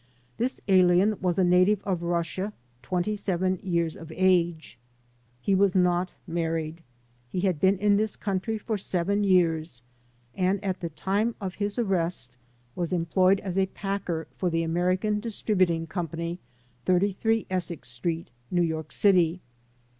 This alien was a native of Russia, 27 years of age. He was not married. He had been in this country for 7 years and at the time of his arrest was employed as a packer for the American Distributing Co., 33 Essex Street, New York City.